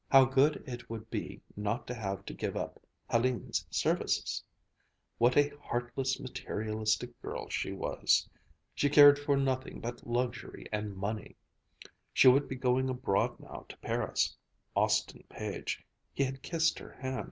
how good it would be not to have to give up Hélène's services what a heartless, materialistic girl she was she cared for nothing but luxury and money she would be going abroad now to Paris Austin Page he had kissed her hand